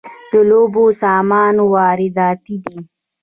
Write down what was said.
د لوبو سامان وارداتی دی؟